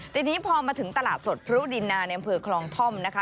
ทีนี้พอมาถึงตลาดสดพรุดินนาในอำเภอคลองท่อมนะคะ